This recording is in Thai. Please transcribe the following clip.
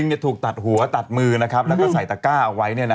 คือลิงถูกตัดหัวตัดมือนะครับและใส่ตะก้าออกไว้